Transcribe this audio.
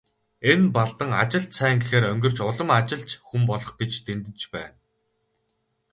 Энэ Балдан ажилд сайн гэхээр онгирч, улам ажилч хүн болох гэж дэндэж байна.